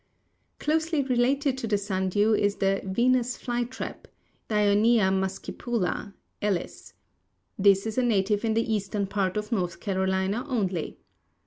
Closely related to the sundew is the Venus fly trap (Dionæa muscipula, Ellis). This is a native in the eastern part of North Carolina only.